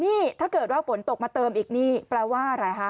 นี่ถ้าเกิดว่าฝนตกมาเติมอีกนี่แปลว่าอะไรคะ